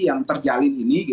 yang terjalin ini